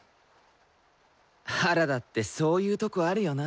原田ってそういうとこあるよな。